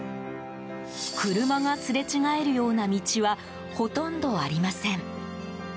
車がすれ違えるような道はほとんどありません。